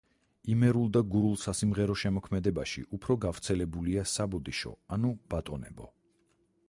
იმერულ და გურულ სასიმღერო შემოქმედებაში უფრო გავრცელებულია „საბოდიშო“ ანუ „ბატონებო“.